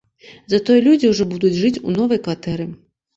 Затое людзі ўжо будуць жыць у новай кватэры.